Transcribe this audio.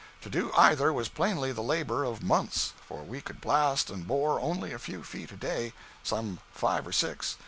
To do either was plainly the labor of months; for we could blast and bore only a few feet a day—some five or six.